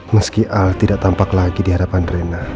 meski al tidak tampak kaya aku